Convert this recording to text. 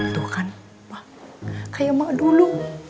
tuh kan pak kayak mah dulu